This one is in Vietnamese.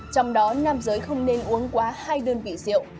trong đó nam giới không nên uống quá hai đơn vị rượu